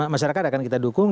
masyarakat akan kita dukung